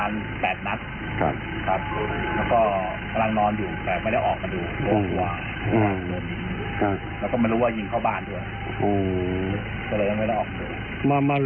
แล้วก็ไม่รู้ว่าหยิงเข้ามาบ้านด้วย